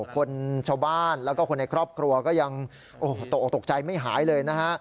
คนชาวบ้านแล้วก็คนในครอบครัวก็ยังตกออกตกใจไม่หายเลยนะฮะ